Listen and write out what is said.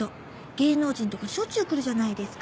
芸能人とかしょっちゅう来るじゃないですか。